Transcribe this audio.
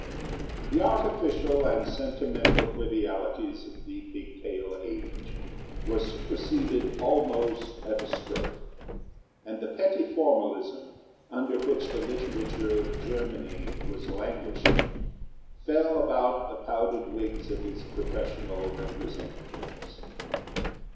The artificial and sentimental trivialities of the pigtail age were superseded almost at a stroke, and the petty formalism under which the literature of Germany was languishing fell about the powdered wigs of its professional representatives.